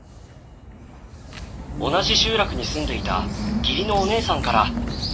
同じ集落に住んでいた義理のお姉さんから婦人会に誘われ